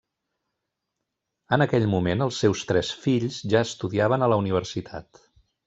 En aquell moment els seus tres fills ja estudiaven a la universitat.